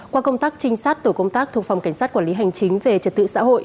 qua công tác trinh sát tổ công tác thuộc phòng cảnh sát quản lý hành chính về trật tự xã hội